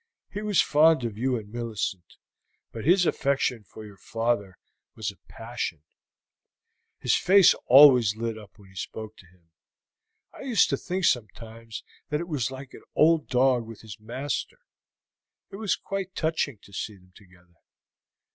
He was fond of you and Millicent, but his affection for your father was a passion; his face always lit up when he spoke to him. I used to think sometimes that it was like an old dog with his master. It was quite touching to see them together.